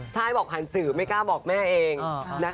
ใช่บอกผ่านสื่อไม่กล้าบอกแม่เอง